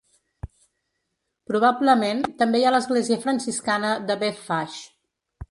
Probablement també hi ha l'església franciscana de Bethphage.